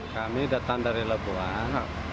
kami datang dari labuan